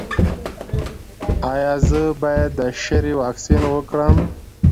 ایا زه باید د شري واکسین وکړم؟